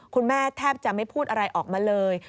คุณแม่แทบจะไม่พูดอะไรออกมาเลย